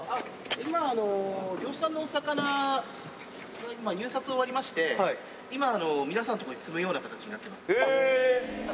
今、漁師さんのお魚が今、入札終わりまして、今、皆さんの所に積むような形になっています。